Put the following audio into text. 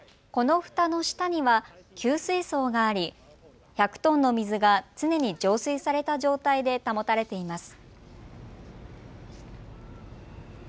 このふたの下には給水槽があり、１００トンの水が常に浄水された状態で保たれています。